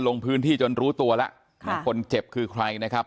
ลงพื้นที่จนรู้ตัวแล้วนะคนเจ็บคือใครนะครับ